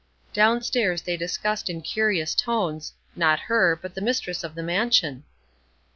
Down stairs they discussed in curious tones not her, but the mistress of the mansion.